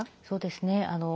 そうですね。